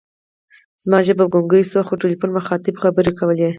زما ژبه ګونګۍ شوه، خو تلیفوني مخاطب خبرې کولې.